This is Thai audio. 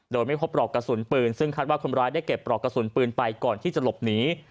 โดยไม่พบปลอกกระสุนปืนซึ่งคาดว่าคนร้ายได้เก็บปลอกกระสุนปืนไปก่อนที่จะหลบหนี